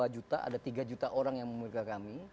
dua juta ada tiga juta orang yang memiliki kami